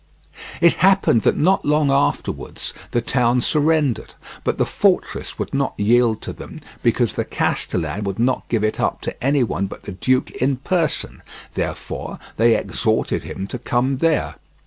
It happened that not long afterwards the town surrendered, but the fortress would not yield to them because the castellan would not give it up to any one but the duke in person; therefore they exhorted him to come there.